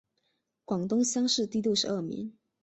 广东乡试第六十二名。